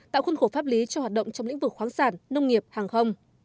tạo khuôn khổ pháp lý cho hoạt động trong lĩnh vực khoáng sản nông nghiệp hàng không